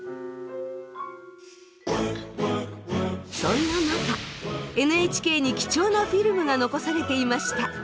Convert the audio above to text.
そんな中ＮＨＫに貴重なフィルムが残されていました。